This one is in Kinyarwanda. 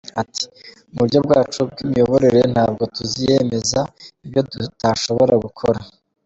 Ati “Mu buryo bwacu bw’imiyoborere ntabwo tuziyemeza ibyo tutashobora gukora.